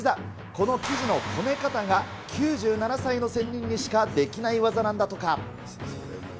この生地のこね方が、９７歳の仙人にしかできない技なんだとか。